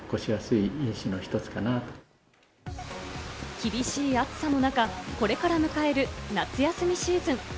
厳しい暑さの中、これから迎える夏休みシーズン。